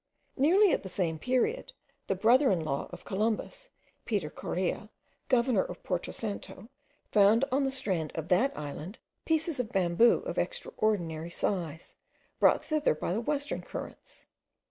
Nearly at the same period, the brother in law of Columbus, Peter Correa, governor of Porto Santo, found on the strand of that island pieces of bamboo of extraordinary size, brought thither by the western currents.